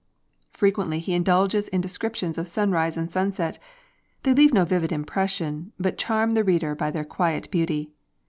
Frequently he indulges in descriptions of sunrise and sunset; they leave no vivid impression, but charm the reader by their quiet beauty.